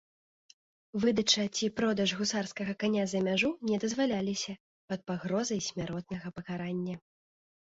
Выдача ці продаж гусарскага каня за мяжу не дазваляліся пад пагрозай смяротнага пакарання.